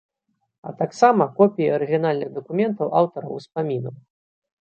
А таксама копіі арыгінальных дакументаў аўтараў успамінаў.